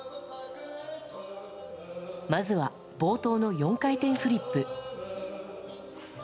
まずは冒頭の４回転フリップ。